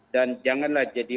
dan janganlah jadi